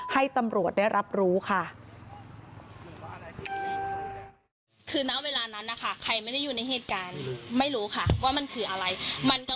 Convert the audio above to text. ให้ตำรวจได้รับรู้ค่ะ